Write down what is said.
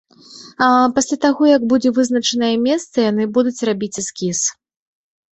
Пасля таго, як будзе вызначанае месца, яны будуць рабіць эскіз.